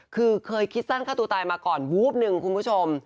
คือเคยคิดสั้นฆ่าตัวตายมาก่อนวูบหนึ่งคุณผู้ชม